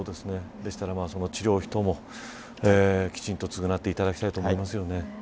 でしたら、その治療費等もきちんと償っていただきたいと思いますよね。